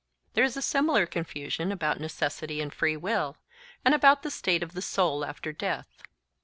There is a similar confusion about necessity and free will, and about the state of the soul after death.